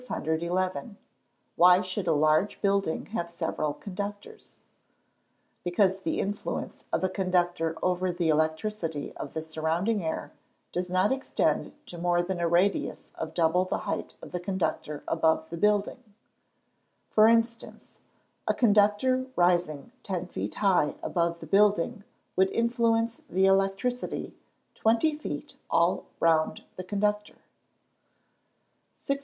611. Why should a large building have several conductors? Because the influence of a conductor over the electricity of the surrounding air does not extend to more than a radius of double the height of the conductor above the building: for instance, a conductor rising ten feet high above the building would influence the electricity twenty feet all round the conductor. 612.